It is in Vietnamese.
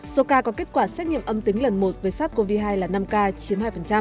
số ca có kết quả xét nghiệm âm tính lần một với sars cov hai là năm ca chiếm hai